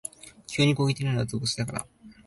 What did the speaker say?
急に攻撃的になるのは図星だから